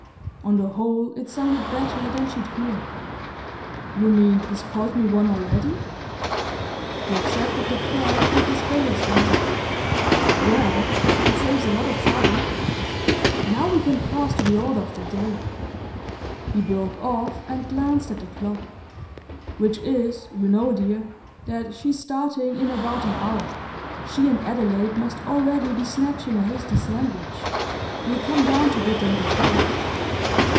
On the whole it sounded better than she'd feared. "You mean he's called me one already?" He accepted the fact with his gayest laugh. "Well, that saves a lot of trouble; now we can pass to the order of the day " he broke off and glanced at the clock "which is, you know, dear, that she's starting in about an hour; she and Adelaide must already be snatching a hasty sandwich. You'll come down to bid them good bye?"